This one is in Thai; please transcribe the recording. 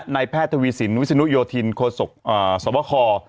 แพทย์ทวีสินวิศนุโยธินโคศกสวบค